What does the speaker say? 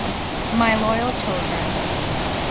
My loyal children.